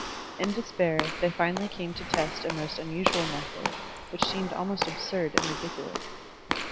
In despair they finally came to test a most unusual method, which seemed almost absiu"d and ridiculous.